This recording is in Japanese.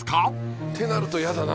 ってなると嫌だな